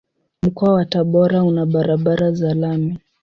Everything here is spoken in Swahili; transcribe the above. Mkoa wa Tabora una barabara za lami.